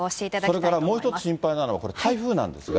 それから、もう一つ心配なのが、これ、台風なんですが。